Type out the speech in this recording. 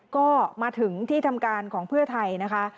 ก็มาถึงที่ทำการของเพื่อไทยนะคะ